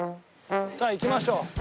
さあ行きましょう。